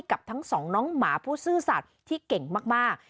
กับทั้งสองน้องหมาผู้ซื่อสัตว์ที่เก่งมาก